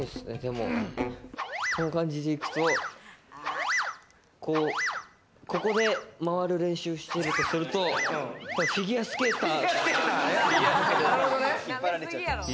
この感じでいくと、ここで回る練習してるとすると、フィギュアスケーター。